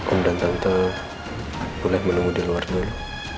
om dan tante boleh menunggu di luar dulu